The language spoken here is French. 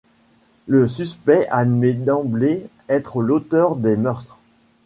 Le suspect admet d'emblée être l'auteur des meurtres.